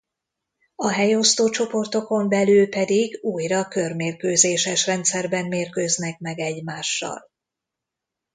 A helyosztó csoportokon belül pedig újra körmérkőzéses rendszerben mérkőznek meg egymással.